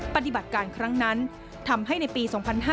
ปฏิบัติการครั้งนั้นทำให้ในปี๒๕๕๙